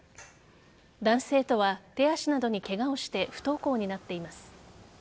男子生徒は手足などにケガをして不登校になっています。